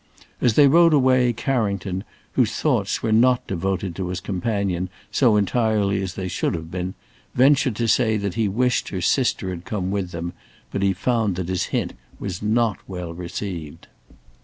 As they rode away, Carrington, whose thoughts were not devoted to his companion so entirely as they should have been, ventured to say that he wished her sister had come with them, but he found that his hint was not well received.